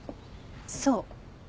そう。